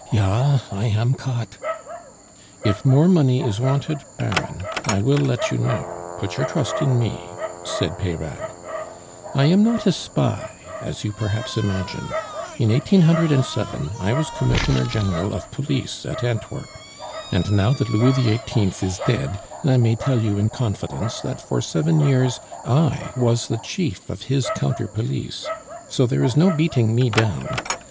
"Ja, I am caught!" "If more money is wanted, Baron, I will let you know; put your trust in me," said Peyrade. "I am not a spy, as you perhaps imagine. In 1807 I was Commissioner General of Police at Antwerp; and now that Louis XVIII. is dead, I may tell you in confidence that for seven years I was the chief of his counter police. So there is no beating me down.